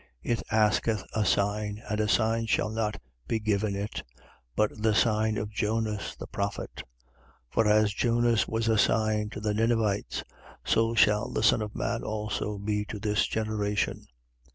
It asketh a sign: and a sign shall not be given it, but the sign of Jonas the prophet. 11:30. For as Jonas was a sign to the Ninivites; so shall the Son of man also be to this generation.